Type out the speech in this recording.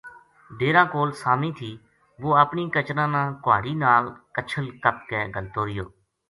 ڈیرا کول سامی تھی وُہ اپنی کچراں تا کُہاڑی نال کَچھل کَپ کے گھَلتو رہیو